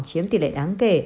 chiếm tỷ lệ đáng kể